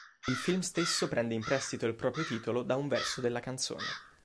Il film stesso prende in prestito il proprio titolo da un verso della canzone.